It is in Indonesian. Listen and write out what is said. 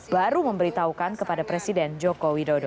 baru memberitahukan kepada presiden jokowi dodo